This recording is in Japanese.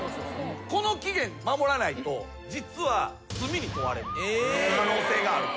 この期限守らないと実は罪に問われる可能性があると。